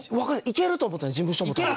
いけると思った事務所も多分。